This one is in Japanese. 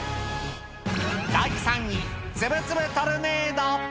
第３位、つぶつぶトルネード。